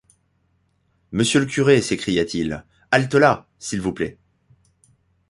Monsieur le curé, s’écria-t-il, halte là! s’il vous plaît.